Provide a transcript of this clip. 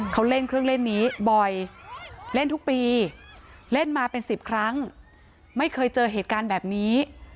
เขาเล่นเครื่องเล่นนี้บ่อยเล่นทุกปีเล่นมาเป็น๑๐ครั้งไม่เคยเจอเหตุการณ์แบบนี้